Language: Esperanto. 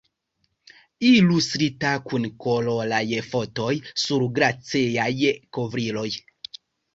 Ilustrita, kun koloraj fotoj sur glaceaj kovriloj.